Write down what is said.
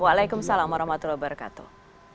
waalaikumsalam warahmatullahi wabarakatuh